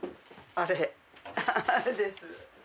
あれです。